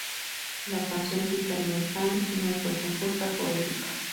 La canción "Crystal Mountain" no fue compuesta por Epica.